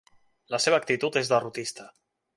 La seva actitud és derrotista.